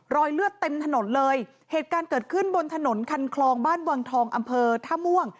รอยเลือดเต็มถนนเลยเหตุการณ์เกิดขึ้นบนถนนคันคลองบ้านวังทองอำเภอท่าม่วง